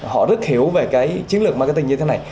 họ rất hiểu về cái chiến lược marketing như thế này